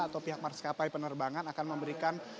atau pihak maskapai penerbangan akan memberikan